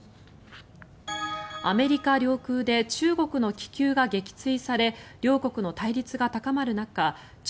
アメリカ領空で中国の気球が撃墜され両国の対立が高まる中